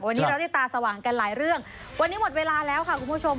วันนี้เราได้ตาสว่างกันหลายเรื่องวันนี้หมดเวลาแล้วค่ะคุณผู้ชม